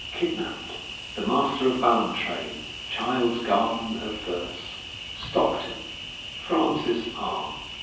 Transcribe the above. Kidnapped. The Master of Ballantrae. Child's Garden of Verse. STOCKTON, FRANCIS R.